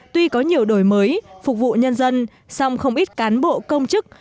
tuy có nhiều đổi mới phục vụ nhân dân song không ít cán bộ công chức